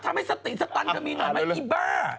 ทำให้สติสตันจะมีหน่อยไหมอีบ้า